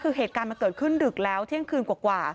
คือเหตุการณ์มันเกิดขึ้นดึกแล้วเที่ยงคืนกว่า